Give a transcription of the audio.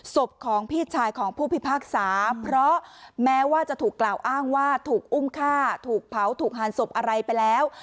ศพของพี่ชายของผู้พิพากษาเพราะแม้ว่าจะถูกกล่าวอ้างว่าถูกอุ้มฆ่าถูกเผาถูกหานศพอะไรไปแล้ว